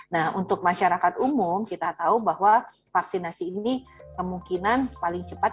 nah untuk masyarakat umum kita tahu bahwa vaksinasi ini kemungkinan paling cepat